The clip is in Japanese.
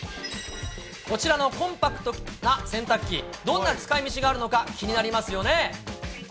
こちらのコンパクトな洗濯機、どんな使いみちがあるのか、気になりますよね。